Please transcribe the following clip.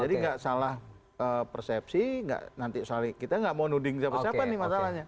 jadi nggak salah persepsi nanti kita nggak mau nuding siapa siapa nih masalahnya